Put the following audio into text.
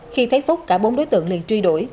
khi thấy phúc cả bốn đối tượng liền truy đuổi